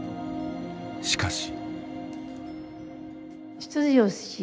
しかし。